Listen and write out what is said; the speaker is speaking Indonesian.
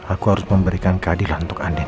aku harus memberikan keadilan untuk anda